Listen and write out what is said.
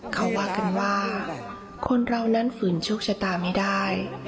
เขาว่ากันว่าคนเรานั้นฝืนโชคชะตาไม่ได้